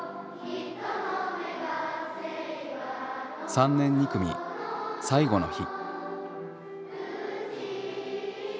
３年２組最後の日。